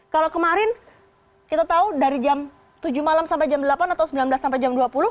kalau kemarin kita tahu dari jam tujuh malam sampai jam delapan atau sembilan belas sampai jam dua puluh